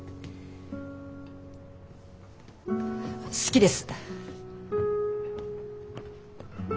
好きです。